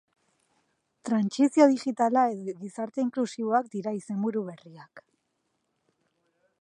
Trantsizio digitala edo Gizarte inklusiboak dira izenburu berriak.